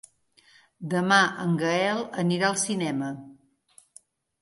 Demà en Gaël anirà al cinema.